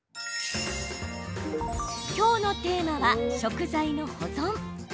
今日のテーマは食材の保存。